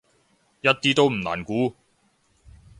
一啲都唔難估